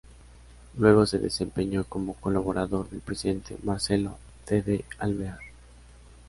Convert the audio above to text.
Luego se desempeñó como colaborador del presidente Marcelo T. de Alvear.